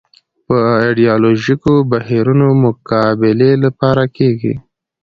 یا ایدیالوژیکو بهیرونو مقابلې لپاره کېږي